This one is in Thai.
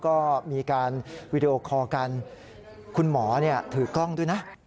ก็มีการวีดีโอคอลกันคุณหมอถือกล้องด้วยนะ